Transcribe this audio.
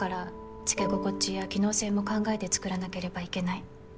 つけ心地や機能性も考えて作らなければいけない